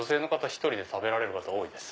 １人で食べる方多いです。